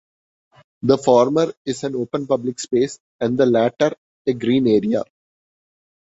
The former is an open public space and the latter a green area.